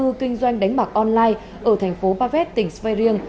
cư kinh doanh đánh bạc online ở thành phố bavet tỉnh sveirien